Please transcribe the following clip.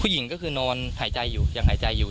ผู้หญิงก็คือนอนหายใจอยู่ยังหายใจอยู่